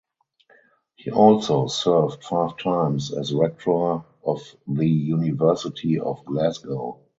He also served five times as Rector of the University of Glasgow.